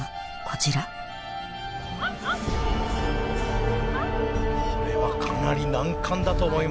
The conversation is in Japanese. こちらこれはかなり難関だと思います。